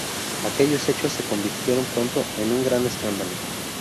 Aquellos hechos se convirtieron pronto en un gran escándalo.